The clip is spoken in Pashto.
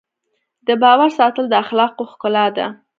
د باور ساتل د اخلاقو ښکلا ده.